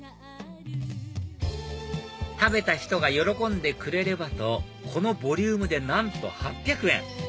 食べた人が喜んでくれればとこのボリュームでなんと８００円！